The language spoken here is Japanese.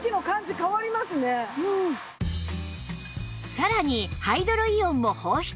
さらにハイドロイオンも放出